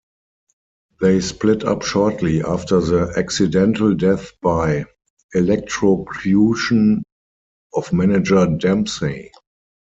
They split up shortly after the accidental death by electrocution of manager Dempsey.